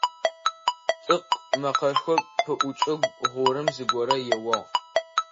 «ТӀыкъ» мэкъэшхо пыӀукӀэу гъурым зыгорэ еуагъ.